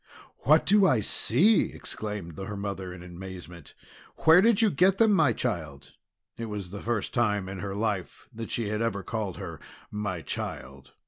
"What do I see!" exclaimed her mother in amazement. "Where did you get them, my child?" It was the first time in her life that she had ever called her "my child."